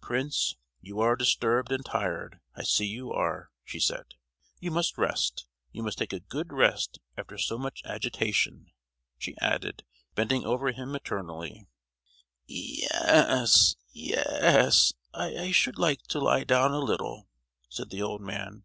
"Prince, you are disturbed and tired, I see you are!" she said; "you must rest, you must take a good rest after so much agitation," she added, bending over him maternally. "Ye—yes, ye—yes; I should like to lie down a little," said the old man.